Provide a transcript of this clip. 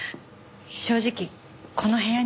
正直この部屋には。